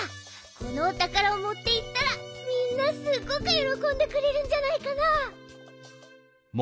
このおたからをもっていったらみんなすっごくよろこんでくれるんじゃないかな。